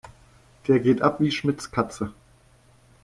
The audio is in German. Der geht ab wie Schmitz' Katze.